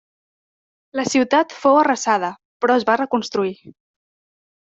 La ciutat fou arrasada, però es va reconstruir.